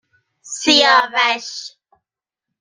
سیاوش